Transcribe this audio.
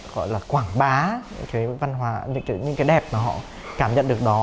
gọi là quảng bá những cái đẹp mà họ cảm nhận được đó